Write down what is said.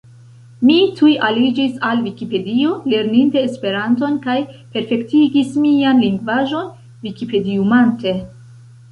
Mi tuj aliĝis al Vikipedio lerninte Esperanton kaj perfektigis mian lingvaĵon vikipediumante.